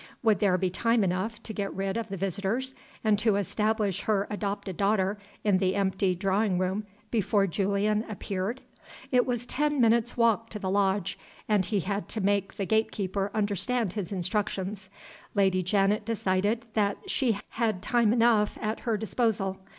Would there be time enough to get rid of the visitors and to establish her adopted daughter in the empty drawing room before Julian appeared? It was ten minutes' walk to the lodge, and he had to make the gate keeper understand his instructions. Lady Janet decided that she had time enough at her disposal.